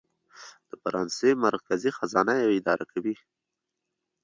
د فرانسې مرکزي خزانه یې اداره کوي.